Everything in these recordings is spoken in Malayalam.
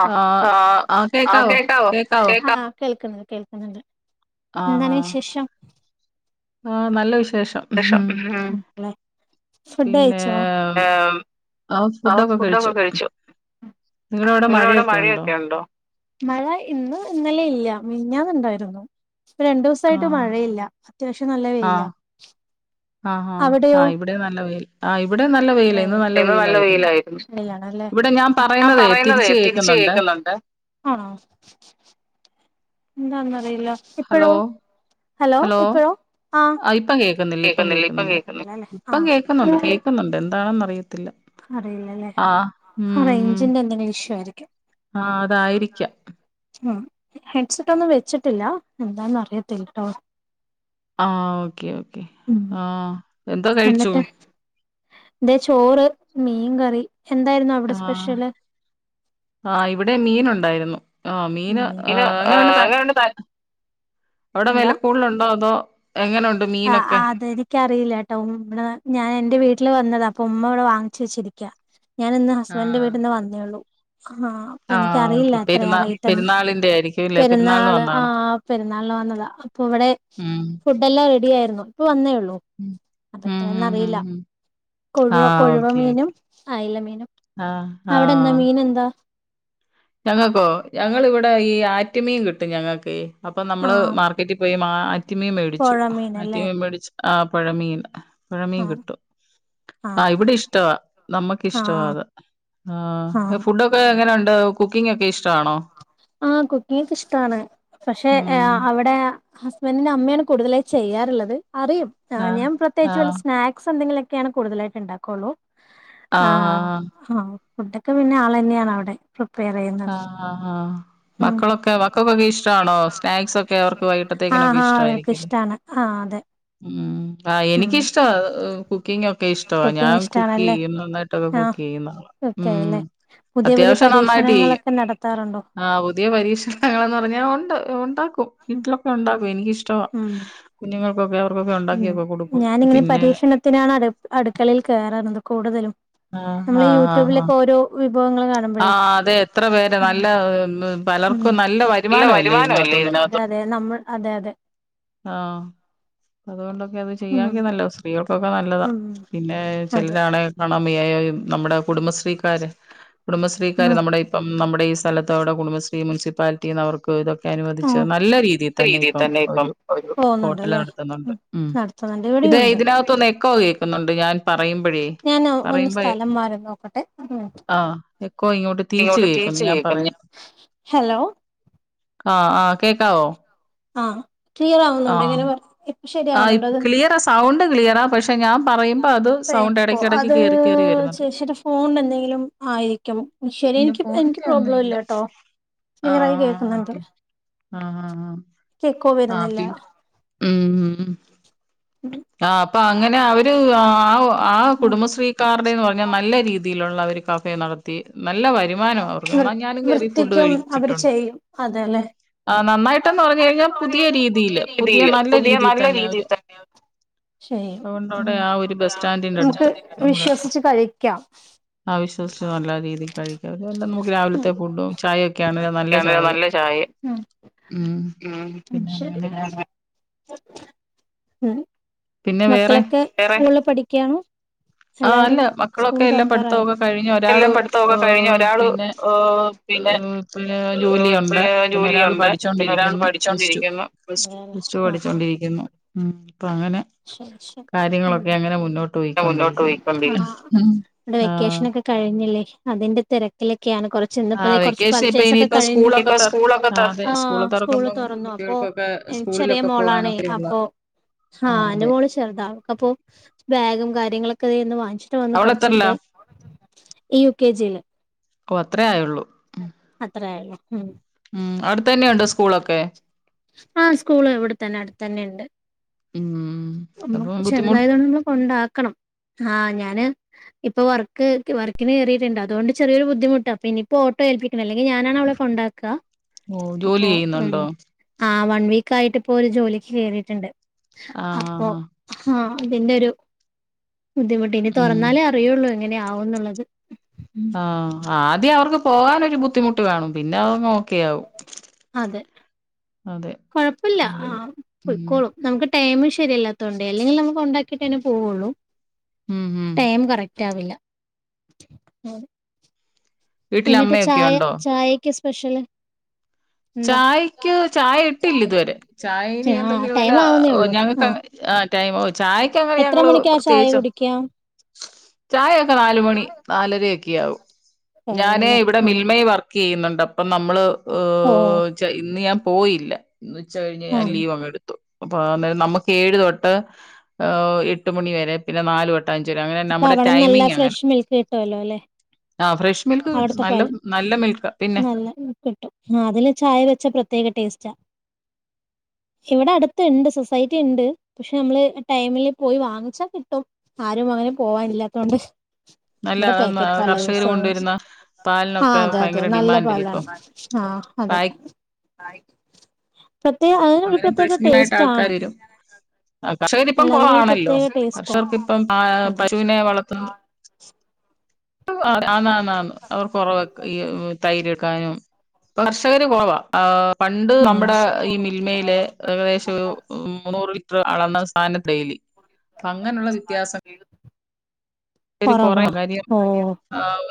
ആ ആ ആ കേക്കാവോ കേ ആഹ് കേൾക്കാണ് കേൾക്കുന്നുണ്ട് എന്താണ് വിശേഷം ആ നല്ല വിശേ ശേഷം ഹും ഫുഡ് കയിച്ചോ [unintelligible] ആ ഫുഡൊക്കെ കഴിച്ചു നിങ്ങടവിടെ മഴയൊക്കെ ഒണ്ടോ മഴ ഇന്ന് ഇന്നലെ ഇല്ല മീഞ്ഞാന്നുണ്ടായിരുന്നു ഇപ്പ രണ്ടു ദിവസായിട്ട് ആഹ് മഴയില്ല അത്യാവശ്യം നല്ല വെയിലാ ആഹ് ആഹ് ആഹ് ആ ഇവിടെ നല്ല വെയിൽ ആ ഇ ല്ലേ വെയിലാണല്ലേ ഇവിടെ ഞാൻ പറയുന്നതേ തിരിച്ച് കേക്കുന്നുണ്ട് ആണോ? ന്താന്ന് അറിയില്ല ഹലോ ഹലോ ഇപ്പഴോ ആഹ് ആ ഇപ്പം കേൾക്കുന്നില്ല ഇപ്പം കേൾക്കുന്നില്ല ഇപ്പം കേൾക്കുന്നുണ്ട് കേൾക്കുന്നുണ്ട് താണറിയ അറില്ലല്ലേ ആ ഉം റേഞ്ചിന്റെ എന്തെങ്കിലും ഇഷ്യൂ ആയിരിക്കും ആഹ് അതായിരിക്കാം ഹെഡ്സെറ്റ് ഒന്ന് വെച്ചിട്ട് ട്ടില്ല എന്താന്ന് അറിയത്തില്ലട്ടോ ആഹ് ഓക്കെ ഓക്കെ ഉം ആഹ് എന്തോ കഴിച്ചു എന്നിട്ട് ദെ ചോറ് മീൻകറി ആഹ് ആഹ് ഇവിടെ മീൻ ഒണ്ടായിരുന്നു ആഹ് മീന് എങ്ങനൊണ്ട് ത അവിട വെലക്കൂട്ലൊണ്ടോ അതോ എങ്ങനെയുണ്ട് ആഹ് മീനൊക്കെ അതെനിക്കറിയില്ലാട്ടോ [unintelligible] ഞാൻ എന്റെ വീട്ടില് വന്നതാ പ്പൊ ഉമ്മവ്ട വാങ്ങിച്ച് വെച്ചിരിക്കാ ഞാനിന്ന് ഹസ്ബൻഡിന്റെ ആഹ് വീട്ടിൽന്ന് വന്നേള്ളൂ ആഹ് ആഹ് അപ്പെനിക്കറിയില്ല ഓക്കെ എത്രയാ പെരുന്നാ റേറ്റെന്ന് പെരുന്നാളിന്റെ ആയിരിക്കും ഇല്ലേ പെരുന്നാളിന് പെരുന്നാള് വന്നാണോ ആഹ് പെരുന്നാള്ന് വന്നതാ അപ്പൊ ഇവിടെ ഉം ഫുഡെല്ലാം റെ ടിയാരുന്നു ഇപ്പ വന്നേയു ള്ളൂ ഉം ഉം ഉം അപ്പത്രേന്നറിയില്ല ഉം കൊഴുവ ആഹ് കൊഴുവ ഓക്കെ മീനും ഓക്കെ അയ്ലമീനും ആഹ് അവിടെന്താ മീൻ എന്താ ഞങ്ങക്കോ ഞങ്ങളിവടെ ഈ അ ആറ്റ്മീൻ കിട്ടും ഞങ്ങക്കെ അപ്പൊ നമ്മള് ആഹ് മാർക്കറ്റി പോയി മാ റ്റിമീം മേടിച്ചു പുഴ മീനല്ലേ അറ്റിമീം മേടിച്ച് ആഹ് പൊഴമീൻ ആഹ് പുഴമീകിട്ടും ആ ആഹ് ഇവിടിഷ്ടവാ നമ്മക്കിഷ്ടവാ ആഹ് അത് ആഹ് ഫുഡൊക്കെ എങ്ങനൊണ്ട ക്കിങ്ങൊക്കെഷ് ആഹ് കുക്കിംഗ്ക്ക ഇഷ്ടാണ് പക്ഷെ ഏ മ്മ്. അ അവടെ ഹസ്ബൻഡിന്റ അമ്മയാണ് കൂടുതലായി ചെയ്യാറ്ള്ളത് അറിയും ആഹ് ഞാൻ പ്രത്യേച്ച് വല്ല ആഹ്. സ്നാക്സ് എന്തെങ്കിലെ ക്കെയാണ് കൂടുതലായിട്ടിണ്ടാക്കുള്ളൂ ആഹ് ആഹ് ഫുഡക്ക പിന്ന ആള് ന്ന്യാണവടെ പ്രിപ്പയറെയ്യ്ന്നത് ആഹ് ആഹ് മക്കളൊക്കെ മക്കക്കൊക്കെ ഇഷ്ടാണോ സ്നാക്സൊക്കെ അവർക്ക് വൈകിട്ടത്തേക്കിനൊക്കെ ആഹ് ആഹ് അവർക്ക് ഇഷ്ടായിരിക്കുല്ലെ ഇഷ്ടാണ് ആഹ് അതെ ഉം ആ ഉം എനിക്കിഷ്ടവാ കുക്കിങ്ങൊ [unintelligible] ഞാൻ കുക്കിംഗ് കുക്ക് ഇഷ്ടാണല്ലേ ചെയ്യും നാന്നായിട്ടൊക്ക ആഹ് കുക്ക് ചെയ്യുന്ന ആളാ ഓക്കെ ഉം അല്ലേ പുതിയ പുതിയ അത്യാവശ്യം നന്നായി പരീക്ഷണങ്ങളൊക്കെ [unintelligible] നടത്താറുണ്ടോ ആ പുതിയ പരീക്ഷണങ്ങളെന്ന് പറഞ്ഞാ ഒ ണ്ട് ഒണ്ടാ ക്കും ഉം വീട്ടിലൊക്കെ ഒണ്ടാക്കും എനിക്കിഷ്ടവാ ഉം കുഞ്ഞുങ്ങൾ പോകാവോ ഉം ഞാനിങ്ങനെ പരീക്ഷണത്തിനാണ് അടു അടുക്കളയിൽ കേറാ [unintelligible] കൂടുതലും ആഹ് നമ്മള് ആഹ് ആഹ് ആഹ്. യൂട്യൂബിലൊക്കെ ഓരോ വിഭവങ്ങൾ ആ കാണുമ്പോഴേ അതെ എത്ര പേര് നല്ല ഉം പലർക്കും നല്ല വരുമാനമല്ലേ ഇതിനകത്തൂന്ന് അതെ നമ്മൾ അതെ അതെ ആ അതുകൊണ്ട് അത് ഉം ചെയ്യാങ്കി നല്ലതാ സ്ത്രീകൾക്കൊക്കെ നല്ലതാ ഉം പിന്നെ അതെ ചിലരാണ് [unintelligible] നമ്മുടെ കുടുംബശ്രീക്കാര് ഉം കുടുംബശ്രീക്കാര് നമ്മുടെ ഇപ്പം നമ്മുടെ ഈ സ്ഥലത്ത് അവിടെ കുടുംബശ്രീ മുനിസിപ്പാലിറ്റീന്ന് അവർക്ക് ഇതൊ ആഹ് അനുവദിച്ചത് നല്ല രീതിയിൽ തന്നെ ഇപ്പം ഒരു ഹോട്ടല് പോകുന്നുണ്ടല്ലേ നടത്തുന്നുണ്ട് ഉം നടത്തുന്നുണ്ട് ഇത് ഇവിടെയുണ്ട് ഇതിനകത്തുന്ന് എക്കോ കേക്കുന്നു [unintelligible] ഞാൻ ഒന്ന് സ്ഥലം മാറി നോക്കട്ടെ ഒരു മിനുട്ട് ആഹ് എക്കോ ഇങ്ങോട്ട് തിരിച്ച് കേക്കുന്നു ഞാൻ പറയുന്നത് ഹലോ ആ ആ കേക്കാവോ ആ ക്ലിയർ ആവുന്നുണ്ടോ ആഹ് ഇങ്ങനെ പറ ആ ശരിയാവുന്നുണ്ടോ അത് ക്ലിയറാ സൗണ്ട് ക്ലിയറാ പക്ഷെ ഞാൻ പറയുമ്പോ അത് സൗണ്ട് എക്കോ ഇടയ്ക്കിടയ്ക്ക് അത് കേറി കേറി വരുന്നുണ്ട് ചേച്ചിടെ ഫോണിന് എന്തെങ്കിലും ആയിരിക്കും ശരി ഇല്ല എനിക്ക് എനിക്ക് ഫോണിന്റെ ഒന്നും പ്രോബ്ലം ഇല്ല ഇല്ലാട്ടോ ആ ക്ലിയറായി കേക്കുന്നുണ്ട് ഓക്കെ ആ ആ ആ. എനിക്ക്‌ എക്കോ ആ, വരുന്നില്ല പിന്നെ ഉം, ഉം ഉം ആ അപ്പൊ അങ്ങനെ അവര് ആ ആ ഉം കുടുംബശ്രീക്കാരുടേന്ന് പറഞ്ഞാ നല്ല രീതിയിലുള്ള ഒരു കഫേ നടത്തി നല്ല വ രുമാനാ അവർക്ക് വൃ ഞാനും കേറി ഫുഡ് വൃത്തിക്കും അവര് കഴിച്ചിട്ടുണ്ട് ചെയ്യും അതെല്ലെ ആ നന്നായിട്ടെന്ന് പറഞ്ഞു കഴിഞ്ഞാ പുതിയ രീതിയില് പുതിയ നല്ല രീതി നല്ല രീതിയിൽ തന്നെ ശരിയാ അതുകൊണ്ട് അവിടെ ആ ഒരു ബസ് സ്റ്റാൻഡിന്റെ നമുക്ക് അടുത്ത് നമ്മുടെ വിശ്വസിച്ചു കഴിക്കാം അതുവല്ല നമുക്ക് ഉം രാവിലത്തെ ഫുഡും ചായയൊക്കെയാണേലും നല്ല ചായ ഉം ഉം ഉം പിന്നെ ശരി അങ്ങനെ ഉം പിന്നെ വേറെ മക്കളൊക്കെ സ്കൂളില് പഠക്കാണോ ആ അല്ല മക്കളൊക്കെ എല്ലാം പഠിത്തൊക്കെ കഴിഞ്ഞ് ഒരാള് അ പിന്നെ അ പ് ജോലിയുണ്ട് പിന്നെ ഒരാള് പഠിച്ചോണ്ടിരിക്കുന്നു പ്ലസ് ടു അതെല്ലേ പ്ലസ് ടു ആഹ് ആഹ് പഠിച്ചോണ്ടിരിക്കുന്ന ഉം അപ്പൊ അങ്ങനെ ശരി ശരി കാര്യങ്ങളൊക്കെ അങ്ങനെ മുന്നോട്ട് പോയിക്കൊണ്ടിരിക് ആ വ്ടെ വെക്കേഷനൊക്കെ കഴി ല്ലേ അതിന്റെ തിരക്കിലെ ക്കെയാണ് കൊറച്ച് ഇന്നിപ്പോ ദേ ആഹ് കൊറച്ച് വെക്കേഷൻ ഇപ്പൊ പർച്ചേസ് ഒക്കെ ഇനിയിപ്പ കഴിഞ്ഞു സ്കൂളൊക്കെ ഇപ്പൊ തൊ സ്കൂള് തൊറന്നു ആഹ് അതെ അപ്പോ സ്കൂള് അഹ് സ്കൂൾ തൊറക്കുമ്പം തുറന്നു അപ്പൊ കുട്ടികൾക്കൊക്കെ എൻച്ച് ചെറിയ സ്കൂളിലൊക്കെ മോളാണെ പോകാനൊക്കെയുള്ള അപ്പോ ആ ആഹ് ന്റെ അതെ മോള് ചെറുതാ അപ്പൊ ബാഗും ക കാര്യങ്ങളൊക്കെ ദേ ഇന്ന് വാ ച്ചിട് വന്ന് അവള് എത്രല്ല കൊറച്ചൊക്കെ ഈ യു കെ ജില് ഓ അത്രേ ആയൊള്ളൂ അത്രായെള്ളൂ ഉം ഉം അടുത്ത് തന്നെയുണ്ടോ സ്കൂളൊക്കെ ആ സ്കൂള് ഇവിട്ത്തന്നെ അട്ത്തന്നെണ്ട് ഉം [unintelligible] അപ്പം ബുദ്ധിമുട്ട് ചെർതായതൊ കൊണ്ടാക്കണം ആ ഞാന് ഇപ്പൊ വർക്ക് വർക്കിന് കേറീട്ട്ണ്ട് അത്കൊണ്ട് ചെറിയൊര് ബുദ്ധിമുട്ട് അപ്പ ഇനി പ്പോ ഓട്ടോ ഏൽപ്പിക്കണ ല്ലെങ്കി ഞാനാണവളെ കൊണ്ടാക്കാ ഓ ജോലി ചെയ്യ്ന്ന്ണ്ടോ ആഹ് വൺ വീക്കായിട്ട് ഇപ്പോ ഒരു ജോലിക്ക് കേറീട്ട്ണ്ട് ആ അ ഹാ അതിന്റെരു ബുദ്ധിമുട്ട് ഇനി ആഹ് ഉം തോറന്നാലേ അറിയൊള്ളു ങ്ങനെ ആവുന്നുള്ളത് ഉം ആഹ് ആ ദ്യം അവർക്ക് പോകാനൊരു ബുദ്ധിമുട്ട് കാണും പിന്നെ അതങ്ങോ അതെ അതെ കൊഴപ്പല്ല അതെ ആ ഉം പാെയ്ക്കോളും നമുക്ക് ടെയ്മ് ശെരിയല്ലാത്തോണ്ടേ അല്ലെങ്കിൽ നമ്മൾ കൊണ്ടാക്കിട്ടെന്നെ പോവാെള്ളൂ ഉം ഉം റ്റാവില്ല [inaudible] വീട്ടില് എന്നിട്ട് അമ്മയൊക്കെ ചായ ഉണ്ടോ ചായക്ക് സ് സ്പെഷ്യൽ ചായക്ക് ചായ ഇട്ടില്ല ഇതു വെരെ ചായ ഇനി ആഹ് എന്തെങ്കിലും വല്ല ടൈം ആവുന്നേ ഉള്ളൂ ഞങ്ങക്ക് ആഹ് അങ്ങനെ ചാ ആ ടൈമോ ചായക്ക് അങ്ങനെ എത്ര ഞങ്ങള് മണിക്കാ ചായ പ്രത്യേകിച്ചും കുടിക്കാ ചായെക്കെ നാലുമണി നാലരയൊക്കെ ആവും ഞാന് കഴിയല്ലേ ഇവിടെ ആഹ് മിൽമയി വർക്ക് ക്കെയ്യുന്നുണ്ട് അപ്പം നമ്മള് ഓഹ് [unintelligible] ഇന്ന് ഞാൻ പോയില്ല ഇന്ന് ഉച്ച കഴിഞ്ഞ് ഞാൻ ആഹ് ലീവങ് എടുത്തു അപ്പം നമുക്ക് ഏഴ് തൊട്ട് ഈഹ് എട്ട് മണി വരെ പിന്നെ നാല് തൊ അപ്പ അവടെ നല്ല ഫ്രഷ് മിൽക്ക് കിട്ടുവല്ലോ അല്ലെ ആഹ് ഫ്രഷ് മിൽക്ക് കിട്ടും അവിടുത്തെ നല്ല പാല് നല്ല മിൽക്കാ പിന്നെ നല്ല കിട്ടും ആ അതില് ചായ വെച്ച പ്രത്യേക ടേസ്റ്റാ ഇവിടെ അടുത്തുണ്ട് സൊസൈറ്റി ഉണ്ട് പക്ഷെ നമ്മള് ടൈമില് പോയി വാങ്ങിച്ചാ കിട്ടും ആരും അങ്ങനെ പോവാനില്ലാത്തൊണ്ട് നല്ല കർഷകർ കൊണ്ടുവരു ആഹ് അതെ അതെ നല്ല പാലാണ് ഇപ്പം ആഹ് അതെ [inaudible] അതിന് ഒരു അങ്ങന പ്രത്യേക ഫ്രഷ് മിൽകിനായിട്ട് ടേസ്റ്റ് ആണ് ആൾക്കാര് വരും കർഷകരിപ്പം അല്ല അതിനൊരു കുറവാണല്ലോ പ്രത്യേക ടേസ്റ്റാ കർഷകർക്ക് ഇപ്പം ആ അതെ പശുവിനെ വളർത്തുന്നു ആന്ന് ആന്ന് ആന്ന് അവർക്ക് കുറവാ ഈ തൈര് എടുക്കാനും കർഷകര് കുറവാ പണ്ട് ഉം നമ്മുടെ ഈ മിൽമയിലെ ഏകദേശം ഒരു മുന്നൂറ് ലി റ്റർ അളന്നാൽ സന ഡെയിലി അങ്ങനെയുള്ള വ്യത്യാസങ്ങ കൊറവാ [unintelligible] ഓ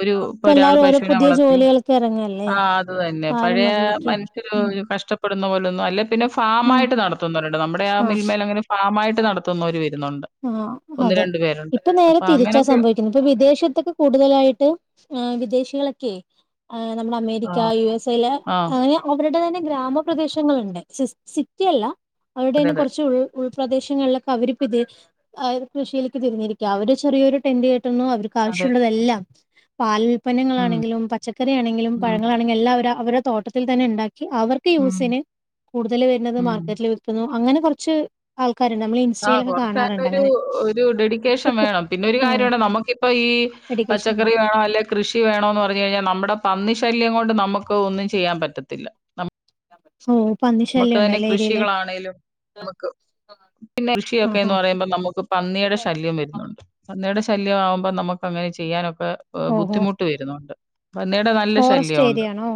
ഒരു ഇപ്പ ഒരാൾ എല്ലാരും ഓരോ പശുവിനെ പുതിയ വളർത്തി ജോലികൾക്ക് ഇറങ്ങല്ലേ ആ ഇപ്പ അത് തന്നെ ആരും പഴയ അതിലേക്ക് മനുഷ്യര് ഉം കഷ്ടപ്പെ ടുന്ന പോലൊന്നും അല്ലേ പിന്നെ ആ ഫാമായിട്ട് നടത്തുന്നോരുണ്ട് നമ്മുടെ ആ മിൽമേൽ അങ്ങനെ ഫ മായിട്ട് നടത്തുന്നവര് വരുന്നോ ആഹ് അതെ ഇപ്പൊ നേരെ അപ്പൊ തിരിച്ച സ അങ്ങനൊക്കെ സംഭവിക്കുന്നു ഇപ്പം വിദേശത്തൊക്കെ കൂടുതലായിട്ട് വിദേശികള ക്കെ നമ്മുടെ ആ അമേരിക്ക യു എസ് എ യില് ആ അങ്ങനെ അവരുടെ തന്നെ ഗ്രാമപ്രദേശങ്ങളുണ്ട് സി സിറ്റി അല്ല അതെ അവടെന് അതെ കുറച്ച് ഉൾ ഉൾപ്രദേശങ്ങളിലൊക്കെ അവരിപ്പിത് അവര് കൃഷിയിലേക്ക് തിരിഞ്ഞിരിക്ക അവര് ചെറിയൊരു ടെൻഡ് കേ ട്ടുന്നു അവർക്ക് അതെ ആവശ്യമുള്ളതെല്ലാം പാൽ ഉം ഉപ്പന്നങ്ങളാണെങ്കിലും പച്ചക്കറി ആണെങ്കിലും ഉം പഴങ്ങളാണെങ്കിലും എല്ലാം അവർ അവരുടെ തോട്ടത്തിൽ തന്നെ ഉണ്ടാക്കി അവർക്ക് ഉം യൂസിന് കൂടുതൽ വരുന്നത് ഉം മാർക്കറ്റിൽ വിൽക്കുന്നു അങ്ങനെ കുറച്ച് ആ കാര് നമ്മൾ ആ ഇൻസ്റ്റയിലൊക്കെ കാണറുണ് കുറച്ചതിനൊരു ഒരു ഡെഡിക്കേഷൻ വേണം പിന്നെ ഒരു ഉം കാര്യണ്ട് നമുക്കിപ്പ ഈ എഡ്യൂക്കേഷൻ പച്ചക്കറി വേണോ അല്ലെകി കൃഷി വേണോന്ന് പറഞ്ഞ കഴിഞ്ഞാൽ നമ്മുടെ പന്നി ശല്യം കൊണ്ട് നമുക്ക് ഒന്നും ചെയ്യാൻ പറ്റത്തില്ല മും നമുക്ക് തന്നെ കൃഷികളാണെലും നമുക്ക് പിന്നെ ആ ആ കൃഷിയൊക്കെന്ന് പറയുമ്പോ നമുക്ക് പന്നിയുടെ ശല്യം വരുന്നുണ്ട് പന്നിയുടെ ശ ശല്യമാവുമ്പോ നമുക്ക്ങ്ങനെ ചെയ്യാനൊക്കെ എ വേ ഓഹോ ബുദ്ധിമുട്ട് വരുന്നുണ്ട് പന്നീടെ നല്ല ഫോറസ്റ്റ് ശല്യം ഉണ്ട് ഏരിയ ആണോ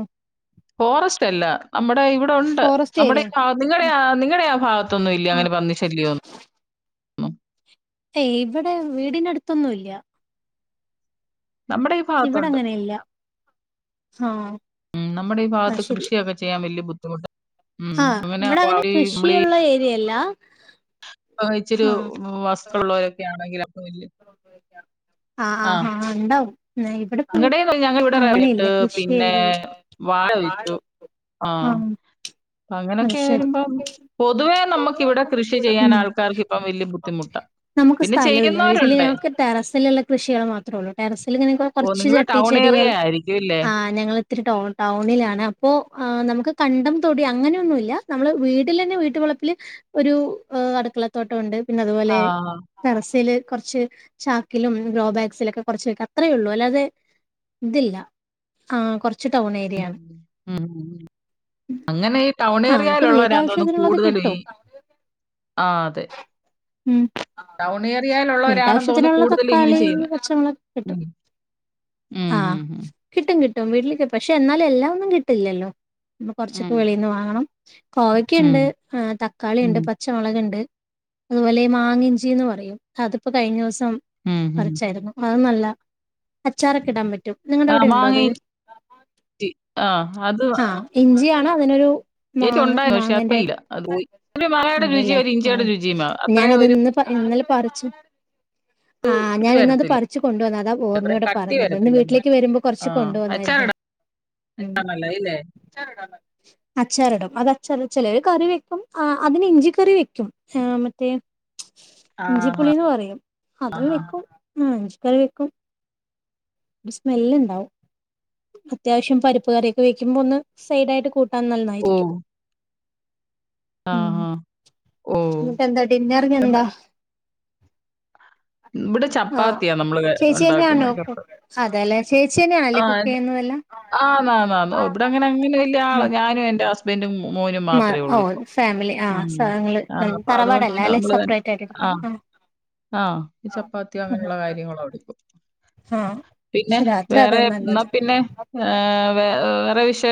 ഫോറസ്റ്റ് അല്ല നമ്മുടെ ഇവിടെ ഉണ്ട് ഫോറസ്റ്റ് നമ്മുടെ ഏരിയ ഈ ഭാ നിങ്ങളുടെ നിങ്ങളുടെ ആ ഭാഗത്തൊന്നും ഇല്ലെ അങ്ങനെ പന്നി ശല്യം ഓന്നും ഏയ് ഇവിടെ വീടിനടുത്തൊന്നും ഇല്യാ നമ്മുടെ ഈ ഭാഗത്തുണ്ട് അങ്ങനെ ഇല്ല ആ ഉം നമ്മടെ ഈ ഭാഗത്ത് ശരി കൃഷിയൊക്കെ ചെയ്യാൻ വലിയ ബുദ്ധി അതുകൊണ്ട് ആ ഇവിടെ അങ്ങനെ കൃഷിയുള്ള ഏരിയല്ല ആ ഇച്ചിരെ വസ് ഉള്ളവരൊക്കെ ആണെങ്കിലും ആ ആ ആഹ് ആ ഉണ്ടാവും ഇവിടപ്പോ ഞങ്ങടേന്ന് ഞങ്ങൾ ഇവിടെ അങ്ങനെയില്ല റവ്ട്ട് കൃഷി പിന്നെ ഏരെയില് വാഴ ആ അങ്ങനെയൊക്കെ വരുമ്പ പൊതുവേ നമുക്ക് ഇവിടെ കൃഷി ചെയ്യാൻ ഉം ആൾക്കാർക്ക് ഇപ്പ വലിയ ബുദ്ധിമുട്ടാണ് പിന്നെ ചെയ്യുന്നവ വീട്ടിൽ ഞങ്ങൾക്ക് ടെറസിലുള്ള കൃഷികൾ മാത്രേള്ളൂ ടെറസിൽ ഇങ്ങനെ ഓഹ് കുറച്ച് നിങ്ങള് ചട്ടി ടൗൺ ചെടികൾ ഏരിയ ആയിരിക്കും ഇല്ലേ? ഞങ്ങൾ ഇത്തിരി ടൗണിലാണ് അപ്പോ നമുക്ക് കണ്ടം തൊടി അങ്ങനെയൊന്നുമില്ല നമ്മള് വീട്ടിൽ തന്നെ വീട്ടുവളപ്പിൽ ഒരു അടുക്കളത്തോട്ടം ഉണ്ട് പിന്നെ അതുപോലെ ആഹ്. ടെറസില് കുറച്ച് ചാക്കിലും ഗ്രോ ബാഗ്സിലൊക്കെ കുറച്ച് വെക്കും അത്രേ ഉള്ളൂ അല്ലാതെ ഇതില്ല കുറ മ് അങ്ങനെ ടൗൺ ആഹ് നമുക്ക് ഏരിയയിലുള്ളവരാന് തോന്നുന്നു വീട്ടാവശ്യത്തിനുള്ളത് കൂടുതലും ഈ കിട്ടും ആ അതെ ഉം ടൗൺ ഏരിയ വീട്ടാവശ്യത്തിനുള്ള തക്കാളി പച്ച മുളകൊക്കെ ഉം. കിട്ടും ഉം ആ ഉം ഉം. കിട്ട കിട്ടും വീട്ടിലേക്ക് പക്ഷെ എന്നാലും എല്ലാം ഒന്നും കിട്ടില്ലല്ലോ നമ്മ കുറച്ചൊക്കെ ഉം. വെളിയിൽ നിന്ന് വാങ്ങണം ഉം. കോവക്കയുണ്ട് ഉം. തക്കാളിണ്ട് പച്ചമുളക്ണ്ട് അതുപോലെ മാങ്ങഞ്ചിന്ന് പറയും അതിപ്പോ കഴിഞ്ഞ വസം ഉം. ഉം. പറിച്ചായർന്നു നല്ല അച്ചാറൊക്കെ ഇടാൻ പറ്റ് ആ നിങ്ങടെവടെ ഉണ്ടോ മാങ്ങ അത് ഇഞ്ചി. ആ അത് ആ ഇഞ്ചിയാണ് അതിനൊരു എനിക്കുണ്ടായിരുന്നു. പക്ഷെ അത് മാങ്ങന്റെ ഇപ്പയില്ല. അത് പോയി. ഒരു മാങ്ങയുടെ ഉണ്ടല്ലേ രുചിയും ഒരു ഹും ഇഞ്ചിയുടെ രുചിയും മാ അത്രയും ഞാനത് ഒരു ഇന്ന് ഇന്നലെ പറിച്ചു ആഹ് ഇത് ഞാൻ ഇന്നത് വരത്തില്ല. പറിച്ചു കൊണ്ടുവന്ന അതാ ഒരു ഓർമ്മയോടെ കട്ടി പറഞ്ഞത് ഇന്ന് വരത്തില്ലല്ലോ. വീട്ടിലേക്ക് വരുമ്പോ ആ കൊറച്ച് കൊണ്ട് വന്നായിരുന്നേ അച്ചാറിടാനല്ലേ മ് ഇല്ലേ? അച്ചാറിടും അതച്ചാറിടും ചിലര് കറി വെക്കും ആ അതിന് ഇഞ്ചിക്കറി വെക്കും ആ മറ്റേ ആ. ഇഞ്ചിപ്പുളിന്ന് പറയും ആ. അതും ആ. വെക്കും ഹമ് കറിവെക്കും സ്മെല്ല് ണ്ടാവും അത്യാവശ്യം പരിപ്പ് കറിയൊക്കെ വെക്കുമ്പോ ഒന്ന് സൈഡായിട്ട് കൂട്ട അന്നാൽ ഓ. നന്നായിരിക്കും ആ. ഉം ആ. ഓ. എന്നിട്ടെന്താ ഡിന്നറിനെന്താ ഇവിടെ ചപ്പാത്തിയാ നമ്മള് ചേച്ചി തന്നെയാണോ ഉണ്ടാക്കുന്നെ ചപ്പാത്തി അതെല്ലേ ചേച്ചിന്നെയാണ് അല്ലെ കുക്ക് ചെയ്യുന്നതെല്ലാം ല്ലാ ആ ഞാനും എന്റെ ഹസ്ബന്റും മ ഓ ഫാമിലി ആ ഉം. ആ [unintelligible] അപ്പൊ അതുകൊണ്ട് തറവാടല്ല പിന്നെ അല്ലെ നമ്മള് തന്നെ സെപ്പറേറ്റ് ആയിട്ടിരിക്കാണ് അല്ലെ ചപ്പാത്തിയൊ അങ്ങനെയുള്ള കാര്യങ്ങളോ എടുക്കും ആ പിന്നെ പക്ഷെ രാത്രി വേറെ അതാ എന്നാ നല്ലത് പിന്നെ വേറെ [unintelligible]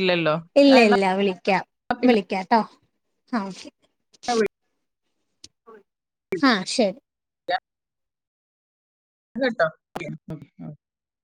ഇല്ലല്ലോ. ഇല്ല ഞാൻ എന്നാ ഇല്ല വിളിക്കാം വിളിക്കാട്ടോ ആ ശരി [unintelligible] ആഹ ശരി [inaudible] [unintelligible]